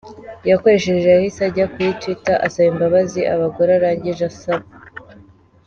yakoresheje, yahise ajya kuri twitter asaba imbabazi abagore arangije asaba.